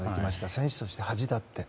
選手として恥だって。